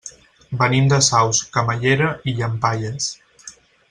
Venim de Saus, Camallera i Llampaies.